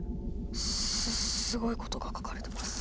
すすすすごいことが書かれてます。